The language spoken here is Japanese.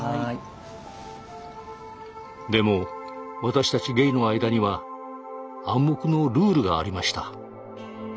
でも私たちゲイの間には暗黙のルールがありました。